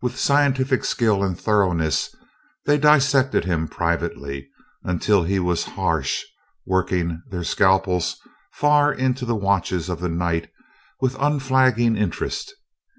With scientific skill and thoroughness they dissected him privately until he was hash, working their scalpels far into the watches of the night with unflagging interest.